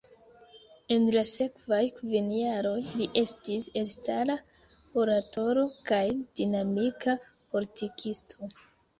En la sekvaj kvin jaroj, li estis elstara oratoro kaj dinamika politikisto.